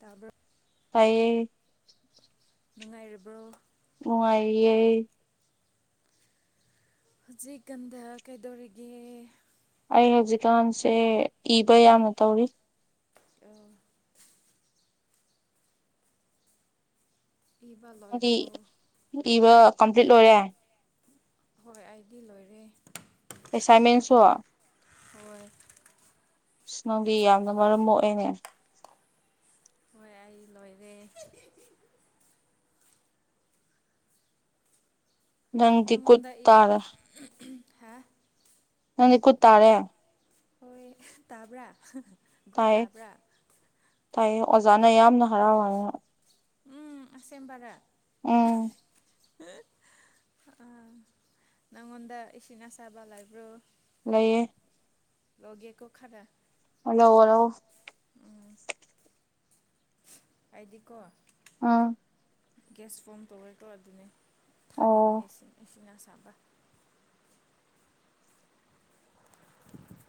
ꯇꯥꯕ꯭ꯔꯣ ꯇꯌꯦ ꯅꯨꯡꯉꯥꯏꯔꯕ꯭ꯔꯣ ꯑꯣ ꯑꯩꯏꯌꯦꯦ ꯍꯧꯖꯤꯛꯀꯥꯟꯗ ꯀꯩꯗꯧꯔꯤꯒꯦ ꯑꯩ ꯍꯧꯖꯤꯛꯀꯥꯟꯁꯦ ꯏꯕ ꯌꯥꯝꯅ ꯇꯧꯔꯤ ꯑ ꯏꯕ ꯪꯗꯤ ꯂꯣꯏꯔꯕꯣ ꯏꯕ ꯀꯝꯄ꯭ꯂꯤꯠ ꯂꯣꯏꯔꯦ ꯍꯣꯏ ꯑꯩꯗꯤ ꯂꯣꯏꯔꯦ ꯑꯦꯁꯥꯏꯟꯃꯦꯟꯁꯨ ꯍꯣꯏ ꯏꯁꯅꯣꯗꯤ ꯌꯥꯝꯅ ꯃꯔꯝ ꯃꯣꯛꯑꯦꯅꯦ ꯍꯣꯏ ꯑꯩ ꯂꯣꯏꯔꯦ ꯅꯪꯗꯤ ꯈꯨꯨꯠ ꯇꯥꯔꯥ ꯍꯥꯥ ꯅꯪꯗꯤ ꯈꯨꯨ ꯇꯥꯔꯦ ꯍꯣꯏ ꯇꯥꯕ꯭ꯔꯥ ꯒꯨꯠ ꯇꯥꯏꯌꯦ ꯇꯥꯕ꯭ꯔꯥ ꯇꯥꯏꯌꯦ ꯑꯣꯖꯥꯅ ꯌꯥꯝꯅ ꯍꯔꯥꯎꯋ ꯎꯝꯁꯕꯔꯦ ꯎꯝ ꯅꯪꯉꯣꯟꯗ ꯏꯁꯤꯡ ꯑꯁꯥꯕ ꯂꯩꯥꯏꯕ꯭ꯔꯣ ꯂꯩꯌꯦ ꯂꯒꯀ ꯈꯔ ꯍꯜꯂꯣ ꯍꯔꯣ ꯑꯗꯤꯀꯣ ꯑꯥ ꯒ꯭ꯌꯥꯁ ꯐꯣꯝ ꯇꯧꯔꯦ ꯇꯧ ꯑꯗꯨꯅꯦ ꯑꯣ ꯊꯥꯅꯤꯅꯤꯁꯤꯡ ꯏꯁꯤꯡ ꯑꯁꯥꯕ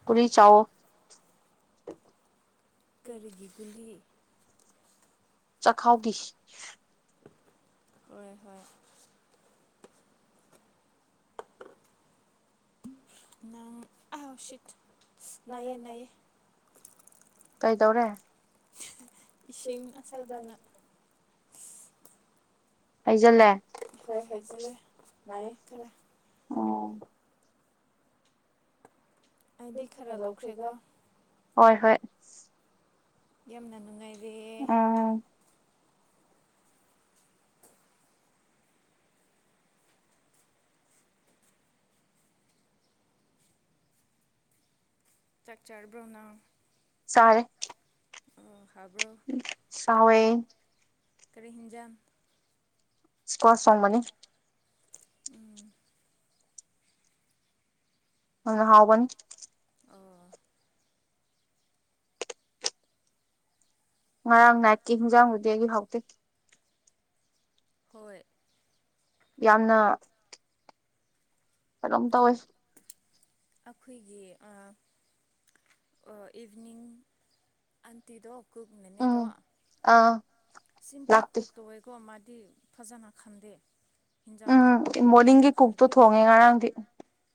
ꯒꯨꯂꯤ ꯆꯥꯎꯋꯣ ꯀꯔꯤꯒꯤ ꯀꯜꯂꯤ ꯆꯥꯛꯈꯥꯎꯒꯤ ꯑꯣꯏꯔꯣꯏ ꯍꯣꯏ ꯅꯪ ꯎꯆꯠ ꯏꯦ ꯅꯥꯏꯌꯦ ꯀꯩꯗꯧꯔꯦ ꯏꯁꯤꯡ ꯑꯁꯥꯕꯅ ꯍꯩꯁꯤꯜꯂꯦ ꯍꯣꯏ ꯍꯦꯟꯖꯤꯜꯂꯦ ꯅꯥꯏꯌꯦ ꯈꯔ ꯑꯣ ꯑꯩꯗꯤ ꯈꯔ ꯂꯧꯈ꯭ꯔꯦꯀꯣ ꯍꯣꯏ ꯍꯣꯏ ꯌꯦꯦꯝ ꯅꯅꯅꯨꯡ ꯉꯥꯏ ꯎꯝ ꯆꯥꯛ ꯆꯥꯔꯕ꯭ꯔꯣꯅ ꯌꯥꯔ ꯍꯥꯕ꯭ꯔꯣ ꯁꯋꯦ ꯀꯔꯤ ꯍꯤꯡꯖꯝ ꯏꯁꯀꯁꯝ ꯃꯅꯤ ꯎꯝ ꯑ ꯍꯥꯎꯕꯅꯤ ꯑꯣ ꯉꯔꯥꯡ ꯅꯥꯏꯠꯀꯤ ꯍꯤꯡꯖꯥꯡꯕꯨꯗꯤ ꯑꯩꯒꯤ ꯐꯥꯎꯇꯦꯛ ꯍꯣꯏ ꯌꯥꯝꯅ ꯍꯂꯣꯝ ꯇꯁ ꯑꯩꯈꯣꯏꯒꯤ ꯏꯚꯅꯤꯡꯅꯤꯡ ꯑꯟꯇꯗ ꯀꯛ ꯃꯅꯦꯗ ꯎꯝ ꯑꯥ ꯁꯤꯝꯄ꯭ꯂꯤ ꯂꯥꯛꯇꯦ ꯀꯨꯛ ꯇꯧꯋꯦꯀꯣ ꯃꯥꯗꯤ ꯐꯖꯅ ꯈꯟꯗꯦ ꯍꯤꯟꯖꯥꯡ ꯎꯝ ꯊꯧꯕꯒ ꯐꯖꯅ ꯃꯣꯔꯅꯤꯡꯒꯤ ꯀꯨꯛꯇꯣ ꯈꯟꯗꯦ ꯊꯣꯡꯉꯦ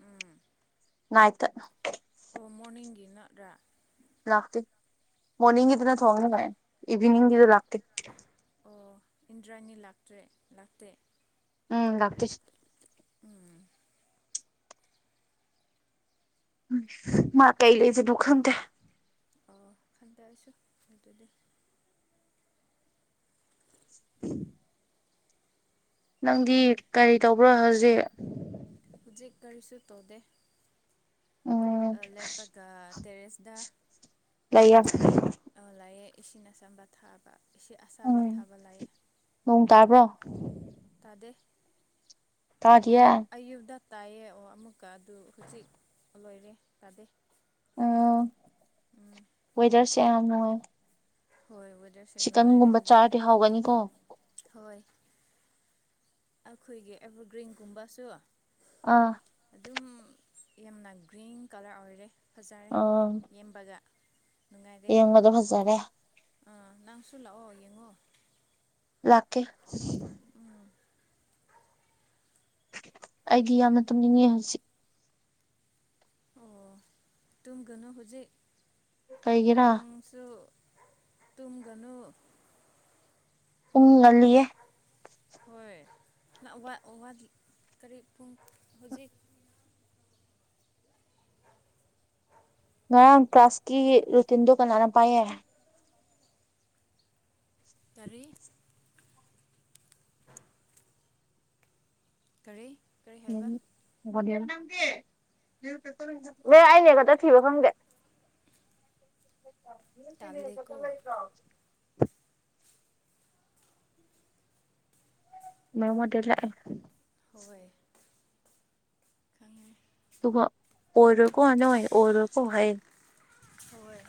ꯎꯝ ꯥꯏꯇ ꯑꯣꯃꯣꯟꯒꯤꯅ ꯔꯥ ꯂꯥꯛꯇꯦ ꯃꯣꯔꯅꯤꯡꯒꯤꯗꯨꯅ ꯊꯣꯡꯅꯤꯉꯥꯏ ꯏꯚꯤꯅꯤꯡꯒꯤꯗ ꯑꯣ ꯂꯥꯛꯇꯦ ꯑꯣ ꯏꯟꯗ꯭ꯔꯥꯅꯤ ꯂꯥꯛꯇ꯭ꯔꯦ ꯂꯥꯛꯇꯦ ꯎꯝ ꯂꯥꯛꯄꯤꯁꯤ ꯃꯥ ꯀꯩ ꯂꯩꯖꯦ ꯗꯨ ꯈꯪ ꯀꯦ ꯑꯣ ꯈꯥꯟꯗꯦ ꯑꯣꯏꯁꯨ ꯍ ꯑꯗꯨꯗꯤ ꯍ ꯅꯪꯗꯤ ꯀꯔꯤ ꯇꯧꯕ꯭ꯔꯣ ꯍꯧꯖꯤꯛ ꯍꯧꯛ ꯀꯔꯤꯁꯨ ꯇꯧꯗꯦ ꯎꯝ ꯑ ꯂꯦꯄꯒ ꯇꯦꯔꯦꯁꯗ ꯂꯩꯌꯥ ꯂꯥꯛꯑꯦ ꯏꯁꯤꯡ ꯑꯆꯝꯕ ꯊꯥꯕ ꯏꯁꯤ ꯑꯁꯥꯕ ꯎꯝ ꯊꯥꯕ ꯂꯥꯏ ꯅꯣꯡ ꯇꯥꯕ꯭ꯔꯣ ꯇꯗꯦ ꯇꯥꯗꯤꯌꯦ ꯑꯌꯨꯛꯇ ꯇꯥꯏꯌꯦ ꯑꯣ ꯑꯃꯨꯛꯀ ꯑꯗꯨ ꯍꯧꯖꯤꯛ ꯂꯣꯏꯔꯦ ꯇꯥꯗꯦ ꯎꯝ ꯀꯃ ꯍ ꯍꯣꯏ ꯋꯦꯗꯔꯁꯨꯦ ꯅꯨꯡꯉꯥꯏꯔꯦ ꯍꯧꯖꯤꯛ ꯍꯥꯎꯒꯅꯤꯀꯣ ꯍꯣꯏ ꯑꯩꯈꯣꯏꯒꯤ ꯑꯦꯚꯔꯒ꯭ꯔꯤꯟꯒꯨꯝꯕꯁꯨ ꯑꯥ ꯑꯗꯨꯝ ꯌꯥꯝꯅ ꯒ꯭ꯔꯤꯟ ꯀꯂꯔ ꯑꯣꯏꯔꯦ ꯐꯖꯔꯦ ꯌꯦꯦꯝꯕꯒ ꯌꯦꯉꯗ ꯐꯖꯔꯦ ꯑꯥ ꯅꯪꯁꯨ ꯂꯥꯛꯑꯣ ꯌꯦꯡꯉꯣ ꯂꯥꯛꯀꯦ ꯑꯩꯗꯤ ꯌꯥꯝꯅ ꯇꯨꯝꯅꯤꯡꯉꯤ ꯍꯧꯖꯤꯛ ꯑꯣ ꯇꯨꯝꯒꯅꯨ ꯍꯧꯖꯤꯛ ꯀꯩꯒꯤꯔꯥ ꯄꯨꯡꯁꯨ ꯇꯨꯡꯗꯅꯨ ꯎ ꯉꯜꯂꯤꯌꯦꯦ ꯍꯣꯏ ꯀꯔꯤ ꯄꯨꯡ ꯍꯧꯖꯤꯛ ꯉꯔ ꯀ꯭ꯂꯥꯁꯀꯤ ꯔꯨꯇꯤꯟꯗꯣ ꯀ ꯂꯅ ꯄꯑ ꯇꯔꯔꯤ ꯀꯔꯤ ꯀꯔꯤ ꯍꯥꯏꯕ ꯗꯤ ꯑꯦꯦ ꯑꯩꯅꯦ ꯈꯛꯇ ꯊꯤꯕ ꯈꯪꯗꯦ ꯇꯥꯜꯂꯦꯀꯣ ꯭ꯔꯥꯎ ꯃꯃꯗ ꯂ ꯍꯣꯏ ꯈꯪꯉꯦ ꯇꯨꯡ ꯑꯣꯔ ꯀꯣꯅꯣꯏ ꯑꯣꯔ ꯀꯣ ꯍꯥꯏ ꯍꯣꯏ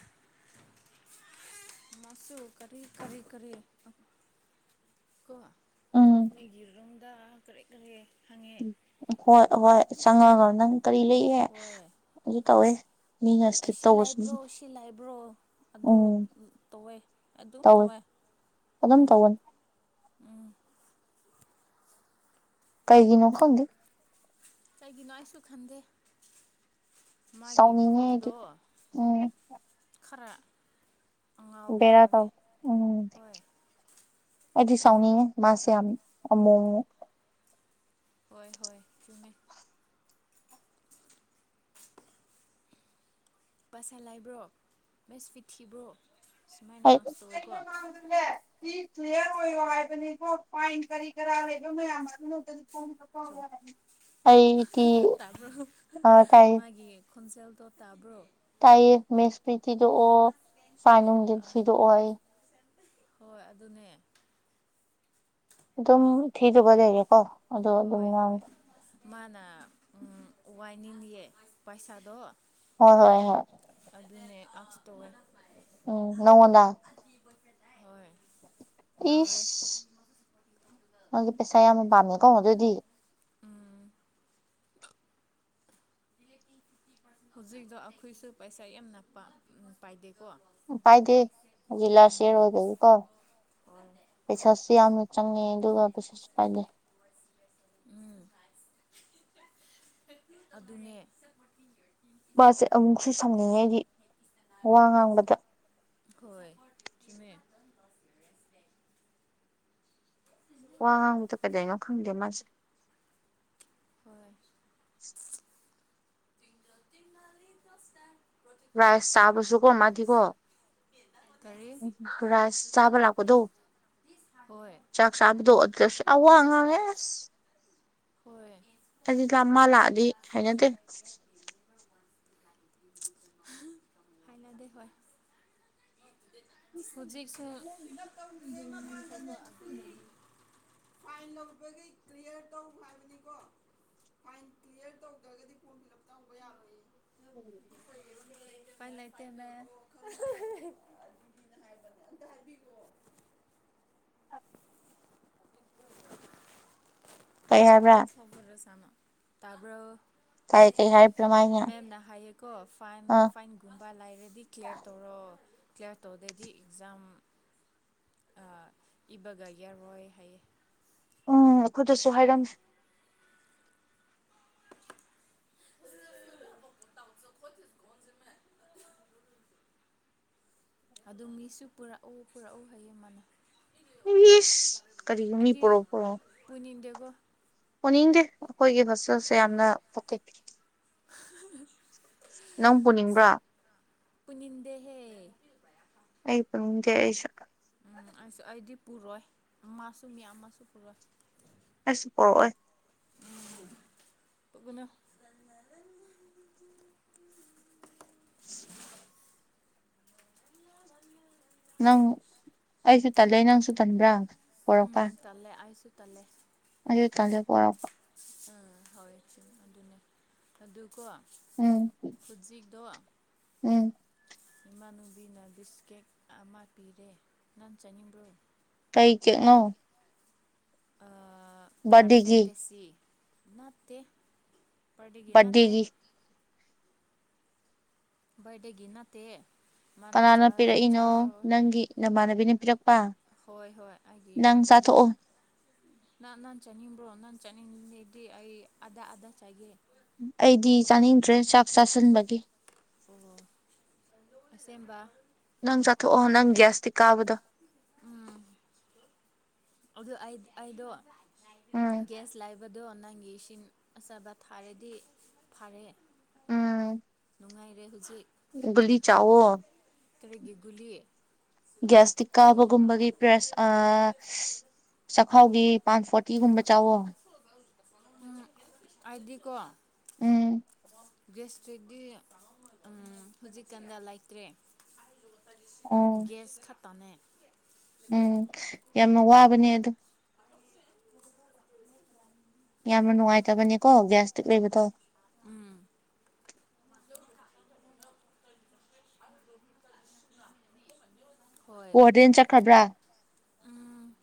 ꯃꯁꯨꯨ ꯀꯔꯤ ꯀꯔꯤ ꯀꯔꯤ ꯀ ꯎꯝ ꯃꯤꯒꯔꯔꯣꯗꯥ ꯈꯔꯦ ꯈꯔꯦ ꯍꯣꯏ ꯍꯣꯏ ꯆꯪꯉꯒ ꯅꯪ ꯀꯔꯤ ꯂꯩꯌꯦ ꯍꯣꯏ ꯑꯗꯨ ꯇꯧꯋꯦ ꯃꯤꯅ ꯁ꯭ꯂꯤꯞ ꯁꯤ ꯇꯧꯕꯁꯨ ꯂꯥꯏꯕ꯭ꯔꯣ ꯁꯤ ꯂꯥꯏꯕ꯭ꯔꯣ ꯑꯗꯨ ꯎꯝ ꯇꯧꯋꯦ ꯑꯗꯨꯝ ꯇꯧꯋꯦ ꯀꯗꯝꯝ ꯎꯝ ꯇꯧꯕꯟ ꯎꯝ ꯀꯩꯒꯤꯅꯣ ꯈꯥꯎꯗꯤ ꯀꯒꯤꯅꯣ ꯑꯩꯁꯨ ꯈꯟꯗꯦ ꯃꯥꯒꯤ ꯁꯥꯎꯅꯤꯡꯉꯦꯗꯤ ꯀꯣꯠꯇꯣ ꯎꯝ ꯈꯔ ꯑꯉꯥꯎꯕꯤ ꯕꯦꯔ ꯃꯥꯜꯂꯦ ꯇꯥꯎ ꯎꯝ ꯍꯣꯏ ꯑꯩꯗꯤ ꯁꯥꯎꯅꯤꯡꯉꯦ ꯃꯥꯁꯦ ꯌꯥꯝ ꯑꯃꯣ ꯍꯣꯏ ꯍꯣꯏ ꯆꯨꯝꯃꯦ ꯄꯩꯁꯥ ꯂꯥꯏꯕ꯭ꯔꯣ ꯃꯦꯁꯐꯤꯠ ꯊꯤꯕ꯭ꯔꯣ ꯁꯨꯃꯥꯏꯅ ꯑꯁ ꯇꯧꯋꯦꯀꯣ ꯉ ꯁꯤ ꯀ꯭ꯂꯤꯌꯥꯔ ꯑꯣꯏꯔꯣ ꯍꯥꯏꯕꯅꯦꯀꯣ ꯐꯥꯏꯟ ꯀꯔꯤ ꯀꯔꯥ ꯂꯩꯕ ꯃꯌꯥꯝ ꯑꯗꯨꯅ ꯆꯣ ꯑꯩ ꯇꯤ ꯇꯥꯕ꯭ꯔꯣ ꯑ ꯇꯥꯏ ꯃꯥꯒꯤ ꯈꯣꯟꯖꯦꯜꯗꯣ ꯇꯥꯕ꯭ꯔꯣ ꯇꯥꯏꯌꯦ ꯃꯦꯁꯄ꯭ꯔꯤ ꯊꯤꯗꯣꯛꯑꯣ ꯐꯥꯅꯅꯨꯡꯒꯤ ꯊꯤꯗꯣꯛꯑꯣ ꯍꯣꯏ ꯑꯗꯨꯅꯦ ꯑꯗꯨꯝ ꯊꯤꯗꯨꯒ ꯂꯩꯒꯦꯀꯣ ꯑꯣ ꯑꯗꯨꯝ ꯍꯣꯏ ꯍꯣꯏ ꯃꯥꯅ ꯋꯥꯏꯅꯤꯡꯌꯦ ꯄꯩꯁꯥꯗꯣ ꯍ ꯍꯣꯏ ꯍꯣꯏ ꯑꯗꯨꯅꯦ ꯑꯁ ꯇꯦ ꯎꯝ ꯅꯉꯗꯥ ꯍꯣꯏ ꯉꯥꯎꯔꯦ ꯏꯁ ꯃꯥꯒꯤ ꯄꯩꯁꯥ ꯌꯥꯝꯅ ꯄꯥꯝꯃꯦꯀꯣ ꯑꯗꯨꯑꯣꯗꯤ ꯎꯝ ꯍꯧꯖꯤꯛꯛꯇꯣ ꯑꯩꯈꯣꯏꯁꯨ ꯄꯩꯁꯥ ꯌꯥꯝꯅ ꯄꯥꯏꯗꯦ ꯎ ꯄꯥꯏꯗꯦ ꯍꯧꯖꯤꯜꯂꯥ ꯁꯦꯔ ꯑꯣꯏꯕꯒꯤꯀꯣ ꯑꯣ ꯄꯩꯁꯥꯁꯨ ꯌꯥꯝꯅ ꯆꯪꯉꯦ ꯑꯗꯨꯒ ꯄꯩꯁꯥꯁꯨ ꯄꯥꯏꯂꯦ ꯎꯝ ꯑꯗꯨꯅꯦ ꯃꯥꯁꯦ ꯑꯃꯨꯛꯁꯨ ꯁꯝꯅꯤꯡꯉꯦ ꯑꯩꯒꯤ ꯋꯥ ꯉꯥꯡꯕꯗ ꯍꯣꯏ ꯆꯃꯦ ꯋꯥ ꯉꯕꯛꯇ ꯀꯗꯩꯅꯣ ꯈꯪꯗꯦ ꯃꯥꯁꯦ ꯍꯣꯏ [inaudible] ꯏꯟꯅ ꯃꯤ ꯇꯁꯦ ꯔꯥꯏꯁ ꯆꯥꯕꯁꯨꯀꯣ ꯃꯥꯗꯤꯀꯣ ꯇꯔꯤꯦ ꯆꯥꯛꯁꯕꯗꯣ ꯑꯣꯒꯁ ꯑ ꯑꯉꯥꯡ ꯍꯣꯏ ꯂꯥꯛꯑꯗꯤ ꯍꯩꯅꯗꯦ ꯍꯥꯏꯂꯗꯦ ꯍ ꯍꯧꯖꯤꯦꯛꯁꯨ ꯐꯥꯏꯟ ꯂꯧꯕꯈꯩ ꯀ꯭ꯔꯤꯌꯔ ꯇꯧ ꯍꯥꯏꯕꯅꯤꯀꯣ ꯐꯥꯏꯟ ꯀ꯭ꯂꯤꯌꯥꯔ ꯇꯧꯗ꯭ꯔꯒꯗꯤ ꯐꯣꯔꯝ ꯐꯤꯜ ꯎꯞ [inaudible] ꯇꯧꯕ ꯌꯥꯔꯣꯏꯌꯦ ꯎꯝ ꯄꯥꯏ ꯂꯩꯇꯅ [inaudible] ꯀꯩ ꯑꯣ ꯍꯥꯏꯕ꯭ꯔꯥ ꯃꯣꯏꯁꯕ ꯔ ꯆ ꯑꯃ ꯇꯥꯕ ꯀꯥꯏ ꯀꯩ ꯍꯥꯏ ꯃꯦꯝꯅ ꯍꯥꯏꯌꯦꯀꯣ ꯐꯥꯏꯟ ꯑꯥ ꯐꯥꯏꯟꯒꯨꯝꯕ ꯂꯥꯏꯕ꯭ꯔꯦꯗꯤ ꯀ꯭ꯂꯤꯌꯥꯔ ꯇꯧꯔꯣ ꯀ꯭ꯂꯤꯌꯥꯔ ꯇꯧꯗꯗꯤ ꯑꯦꯛꯖꯥꯝ ꯏꯕꯒ ꯌꯥꯔꯔꯣꯏ ꯍꯥꯏꯌꯦ ꯎꯝ ꯑꯩꯈꯗꯁꯨ ꯍꯥꯏꯔꯝ ꯑꯗꯨ ꯃꯤꯁꯨ ꯄꯨꯔꯛꯎ ꯄꯨꯔꯛꯎ ꯍꯥꯏꯌꯦꯡ ꯃꯥꯅꯦ ꯤꯁ ꯀꯔꯤ ꯃꯤ ꯄꯔꯛꯑꯣ ꯄꯔꯛꯑꯣ ꯋꯥ ꯑꯣꯅꯤꯡꯗꯦ ꯑꯩꯈꯣꯏꯒꯤ ꯐꯣꯁꯜꯁꯦ ꯌꯥꯝꯅ ꯄꯀꯩ ꯅꯪ ꯄꯨꯅꯤꯡꯕ꯭ꯔꯥ ꯄꯨꯅꯤꯡꯗꯍꯦ ꯑꯩ ꯁꯀ ꯎꯝ ꯑꯩꯁꯨ ꯑꯩꯗꯤ ꯄꯨꯔꯣꯏ ꯑꯃꯁꯨ ꯃꯤ ꯑꯃꯁꯨ ꯄꯨꯔꯣꯏ ꯑꯁ ꯄꯑꯣꯦ ꯄꯒꯅ [unintelligible] ꯅꯪ ꯑꯩꯁꯨ ꯇꯜꯂꯦ ꯅꯪꯁꯨ ꯇꯟꯕ꯭ꯔꯥ ꯎꯝ ꯇꯂꯦ ꯑꯁꯨ ꯇꯂꯦ ꯑꯗꯨ ꯇꯦ ꯄꯨꯔꯛ ꯑꯥ ꯍꯋꯦ ꯁꯤ ꯑꯗꯨꯅꯦ ꯑꯗꯨꯀꯣ ꯎꯝ ꯍꯧꯖꯤꯛꯇꯣ ꯎꯝ ꯏꯃꯥꯟꯅꯨꯕꯤꯅ ꯕꯤꯁꯀꯦꯠ ꯑꯃ ꯄꯤꯔꯦ ꯅꯪ ꯆꯥꯅꯤꯡꯕ꯭ꯔꯣ ꯉꯣ ꯗꯔ ꯐꯦꯟꯇ ꯁꯤ ꯅꯇ ꯄꯔꯒ ꯅꯠꯇꯦ ꯕꯥꯔꯗꯦꯒꯤ ꯋꯦꯔꯗꯒꯤ ꯅꯠꯇꯦ꯫ ꯃꯥꯅ ꯀꯅꯥꯅ ꯄꯤꯔꯛꯏꯅꯣ ꯅꯪꯒꯤ ꯅꯃꯥꯟꯅꯕꯤꯅ ꯄꯤꯔꯛꯄꯥ꯫ ꯍꯣꯏ ꯍꯣꯏ ꯑꯩꯒꯤ ꯏꯃꯥꯟꯅꯨꯕꯤꯅ ꯅꯍ ꯅꯍꯥꯟ ꯆꯥꯅꯤꯡꯕ꯭ꯔꯣ ꯅꯍꯥꯟ ꯗꯤ ꯑꯩ ꯑꯗꯥ ꯑꯗꯥꯥ ꯆꯥꯏꯒꯦ ꯑꯩꯗꯤ ꯆꯥꯅꯤꯡꯗ꯭ꯔꯦ ꯆꯥꯛ ꯆꯥꯁꯤꯟꯕꯒꯤ ꯑꯣꯣ ꯑꯁꯦꯡꯕ ꯅꯪ ꯆꯥꯊꯣꯛꯑꯣ ꯅꯪ ꯒ꯭ꯌꯥꯁꯇꯤ ꯀꯥꯕꯗꯣ ꯎꯝ ꯑꯗꯨ ꯑꯗꯣ ꯎꯝ ꯦꯁ ꯂꯥꯏ ꯍꯥꯏꯕꯗꯣ ꯅꯪꯒꯤ ꯏꯁꯤꯡ ꯑꯆꯥꯕ ꯊꯥꯔꯗꯤ ꯐꯔꯦ ꯅꯨꯡꯉꯥꯏꯔꯦ ꯂꯤ ꯆꯥꯋꯣ ꯇꯔꯒꯒꯨꯂꯤ ꯒ꯭ꯌꯥꯁꯇꯤꯛ ꯀꯥꯕꯒꯨꯝꯕꯒꯤ ꯄ꯭ꯔꯦꯁ ꯑ ꯍꯥꯎꯒꯤ ꯄꯥꯟ ꯐꯣꯔꯇꯤꯒꯨꯝꯕ ꯆꯥꯎꯋꯣ ꯎꯝ ꯑꯗꯤ ꯀꯣ ꯎꯝ ꯒꯦꯁꯇ꯭ꯔꯤꯗꯤ ꯎꯝ ꯍꯧꯖꯤꯛꯀꯥꯟꯗ ꯂꯩꯇ꯭ꯔꯦ ꯑꯣ ꯒꯦꯁ ꯈꯇꯥꯅꯦ ꯎꯝ ꯌꯥꯝꯅ ꯋꯥꯕꯅꯦ ꯑꯗꯨ ꯌꯥꯝꯅ ꯅꯨꯡꯉꯥꯏꯇꯕꯅꯦꯀꯣ ꯒ꯭ꯌꯥꯁꯇꯤꯛ ꯂꯩꯕꯗꯣ ꯎꯝ [unintelligible] ꯋꯥꯔꯗꯦꯟ ꯆꯠꯈ꯭ꯔꯕ꯭ꯔꯥ ꯎꯝ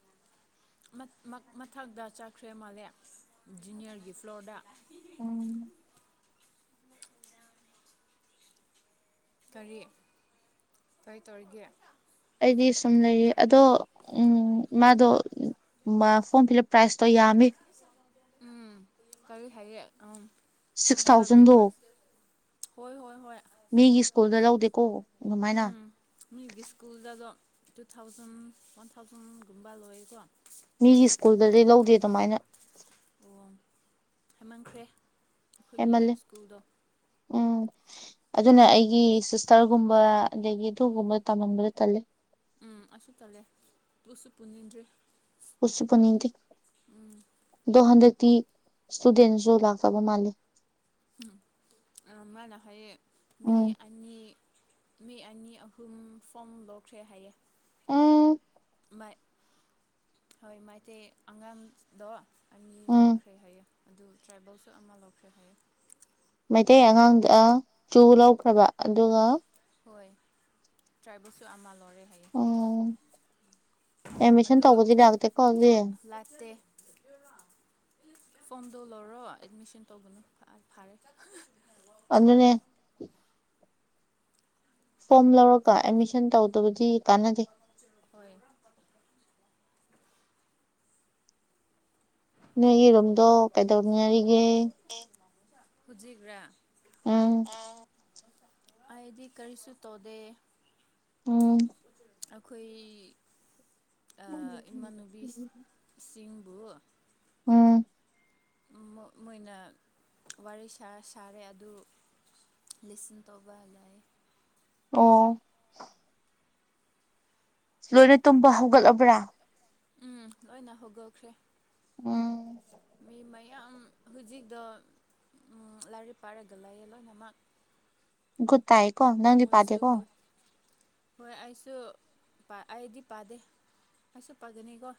ꯃꯊꯛꯇ ꯆꯠꯈ꯭ꯔꯦ ꯃꯥꯜꯂꯦ ꯖꯨꯅꯤꯌꯔꯒꯤ ꯐ꯭ꯂꯣꯔꯗ ꯎꯝ꯫ ꯀꯔꯤ ꯀꯔꯤ ꯇꯧꯔꯤꯒꯦ꯫ ꯑꯩꯗꯤ ꯁꯨꯝ ꯂꯩꯔꯤ ꯑꯗꯣ ꯎꯡ ꯃꯥꯗꯣ ꯐꯣꯔꯝ ꯐꯤꯜꯞ ꯄ꯭ꯔꯥꯏꯁꯇꯣ ꯌꯥꯝꯃꯤ꯫ ꯎꯝ ꯀꯔꯤ ꯍꯥꯏꯌꯦ ꯑꯝ ꯁꯤꯛꯁ ꯊꯥꯎꯖꯟꯗꯣ ꯍꯣꯏ ꯍꯣꯏ ꯍꯣꯏ꯫ ꯃꯤꯒꯤ ꯁ꯭ꯀꯨꯜꯗ ꯂꯧꯗꯦꯀꯣ ꯑꯗꯨꯃꯥꯏꯅ꯫ ꯎꯝ ꯃꯤꯒꯤ ꯁ꯭ꯀꯨꯜꯗꯗꯣ ꯇꯨ ꯊꯥꯎꯖꯟ ꯋꯥꯟ ꯊꯥꯎꯖꯟꯒꯨꯝꯕ ꯂꯣꯏꯀꯣ꯫ ꯗꯨꯃꯥꯏꯅ꯫ ꯍꯥꯏꯃꯟꯈ꯭ꯔꯦ ꯑꯈꯣꯏꯒꯤ ꯍꯦꯟꯃꯜꯂꯦ ꯁ꯭ꯀꯨꯜꯗꯣ꯫ ꯎꯝ꯫ ꯑꯗꯨꯅ ꯑꯩꯒꯤ ꯁꯤꯁꯇꯔꯒꯨꯝꯕ ꯑꯗꯒꯤ ꯑꯗꯨꯒꯒꯨꯝꯕꯗ ꯇꯝꯃꯝꯕꯗ ꯇꯜꯂꯦ꯫ ꯎꯝ ꯑꯁꯨ ꯇꯜꯂꯦ ꯄꯨꯁꯨ ꯄꯨꯅꯤꯡꯗ꯭ꯔꯦ꯫ ꯄꯨꯁꯨ ꯄꯨꯅꯤꯡꯗꯤ ꯎꯝ ꯗꯣ ꯍꯟꯗꯛ ꯇꯤ ꯁ꯭ꯇꯨꯗꯦꯟꯁꯨ ꯂꯥꯛꯇꯕ ꯃꯥꯜꯂꯤ꯫ ꯃꯥꯥꯅ ꯍꯥꯏꯌꯦ ꯃꯤ ꯎꯝ ꯑꯅꯤ ꯃꯤ ꯑꯅꯤ ꯑꯍꯨꯝ ꯐꯣꯝ ꯂꯧꯈ꯭ꯔꯦ ꯍꯥꯏꯌꯦ꯫ ꯎꯝ ꯃꯥꯏ ꯍꯣꯏ ꯃꯥꯏꯇꯩ ꯑꯉꯥꯡꯗꯣ ꯑꯅꯤ ꯎꯝ ꯂꯧꯈ꯭ꯔꯦ ꯍꯥꯏꯌꯦ꯫ ꯑꯗꯨ ꯇ꯭ꯔꯥꯏꯕꯜꯁꯨ ꯑꯃ ꯂꯧꯈ꯭ꯔꯦ ꯍꯥꯏꯌꯦ꯫ ꯃꯩꯇꯩ ꯑꯉꯥꯡꯗ ꯆꯨ ꯂꯧꯈ꯭ꯔꯕ ꯑꯗꯨꯒ ꯍꯣꯏ ꯇ꯭ꯔꯥꯏꯕꯜꯁꯨ ꯑꯃ ꯂꯧꯔꯦ ꯍꯥꯏꯌꯦ ꯎꯝ꯫ ꯑꯦꯃꯤꯁꯟ ꯑꯗꯨ ꯇꯧꯕꯁꯤ ꯂꯥꯛꯇꯦꯀꯣꯗꯤ꯫ ꯇꯣꯠ ꯂꯥꯛꯇꯦ ꯐꯣꯝꯗꯣ ꯂꯧꯔꯣ ꯑꯦꯠꯃꯤꯁꯟ ꯇꯧꯕꯅꯤ ꯐꯔꯦ꯫ ꯑꯗꯨꯅꯦ꯫ ꯐꯣꯝ ꯂꯧꯔꯒ ꯑꯦꯠꯃꯤꯁꯟ ꯇꯧꯗꯕꯗꯤ ꯀꯥꯟꯅꯗꯦ ꯍꯣꯏ꯫ ꯅꯣꯏꯒꯤꯔꯣꯝꯗꯣ ꯀꯩꯗꯧꯅꯔꯤꯒꯦ ꯍꯖꯤꯈ꯭ꯔꯥ ꯎꯝ꯫ ꯑꯥꯏꯗꯤ ꯀꯔꯤꯁꯨ ꯇꯣꯗꯦ꯫ ꯎꯝ꯫ ꯑꯈꯣꯏ ꯑ ꯏꯃꯥꯟꯅꯨꯕꯤ ꯁꯤꯡꯕꯨ ꯎꯝ꯫ ꯃꯣꯏꯅ ꯋꯥꯔꯤ ꯁꯥꯔ ꯁꯥꯔꯦ ꯑꯗꯨ ꯂꯤꯁꯟ ꯇꯧꯕ ꯂꯥꯏ꯫ ꯑꯣ꯫ ꯂꯣꯏꯅ ꯇꯨꯝꯕ ꯍꯧꯒꯠꯂꯕ꯭ꯔꯥ꯫ ꯎꯝ ꯂꯣꯏꯅ ꯍꯧꯒꯠꯈ꯭ꯔꯦ꯫ ꯎꯝ꯫ ꯃꯤ ꯃꯌꯥꯝ ꯍꯧꯖꯤꯛꯗ ꯎ ꯂꯥꯏꯔꯤꯛ ꯄꯥꯔꯦꯒ ꯂꯩꯥꯏꯌꯦ ꯂꯣꯏꯅꯃꯛ꯫ ꯨꯒꯨꯗ ꯇꯥꯑꯦꯀꫭ ꯅꯪꯗꯤ ꯃꯣꯏꯁꯨ ꯄꯥꯗꯦꯀꫭ꯫ ꯍꯣꯏ ꯍꯣꯏ ꯑꯩꯁꯨ ꯑꯩꯗꯤ ꯄꯥꯗꯦ ꯑꯩꯁꯨ ꯄꯥꯒꯅꯤꯀꯣ꯫